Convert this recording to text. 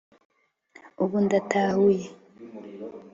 ubu ndatahuye